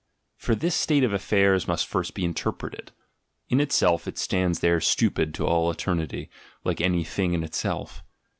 For this state of affairs must first be interpreted: in itself it stands there stupid to all eternity, like any "Thing in itself."